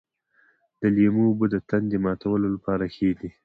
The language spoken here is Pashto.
د لیمو اوبه د تندې ماتولو لپاره ښې دي.